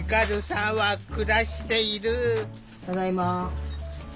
ただいま。